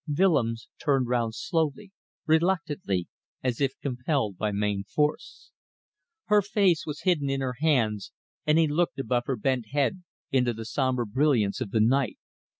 Willems turned round slowly, reluctantly, as if compelled by main force. Her face was hidden in her hands, and he looked above her bent head, into the sombre brilliance of the night.